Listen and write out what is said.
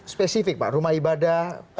spesifik pak rumah ibadah